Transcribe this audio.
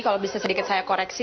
kalau bisa sedikit saya koreksi